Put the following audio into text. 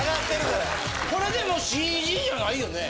これでもＣＧじゃないよね？